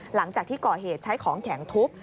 หลังจากที่ก่อเหตุใช้ของแข็งทุบ